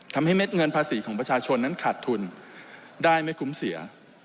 เม็ดเงินภาษีของประชาชนนั้นขาดทุนได้ไม่คุ้มเสีย